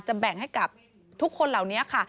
แบ่งให้กับทุกคนเหล่านี้ค่ะ